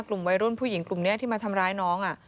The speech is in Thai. กลุ่มวัยรุ่นผู้หญิงกลุ่มนี้ที่มาทำร้ายน้อง